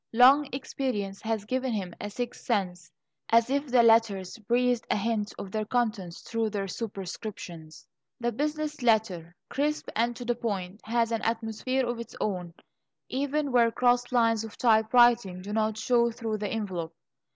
Long experience has given him a sixth sense, as if the letters breathed a hint of their contents through their superscriptions. The business letter, crisp and to the point, has an atmosphere of its own, even where cross lines of typewriting do not show through the envelope.